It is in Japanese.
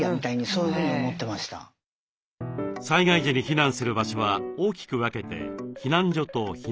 災害時に避難する場所は大きく分けて「避難所」と「避難場所」です。